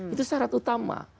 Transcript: itu syarat utama